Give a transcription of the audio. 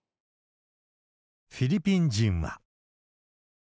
フィリピン人は。